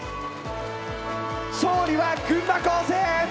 勝利は群馬高専！